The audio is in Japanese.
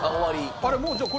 あれ？